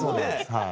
はい。